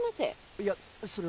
いやそれは。